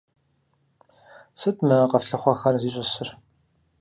Сыт мы къэфлъыхъуэхэр зищӀысыр?